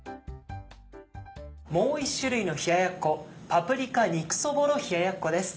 もう１種類の冷ややっこパプリカ肉そぼろ冷ややっこです。